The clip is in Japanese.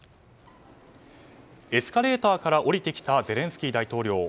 エスカレーターから降りてきたゼレンスキー大統領。